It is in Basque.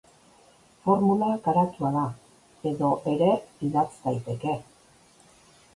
Formula garatua da, edo ere idatz daiteke.